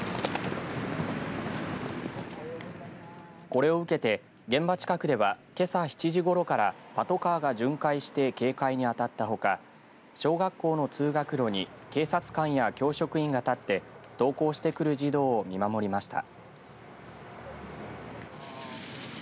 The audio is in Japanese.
これを受けて現場近くではけさ７時ごろからパトカーが巡回して警戒に当たったほか小学校の通学路に警察官や教職員が立って登校してくる児童を見守りました。